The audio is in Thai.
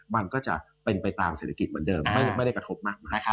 มันก็จะเป็นไปตามเศรษฐกิจเหมือนเดิมไม่ได้กระทบมาก